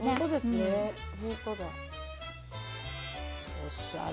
おしゃれ。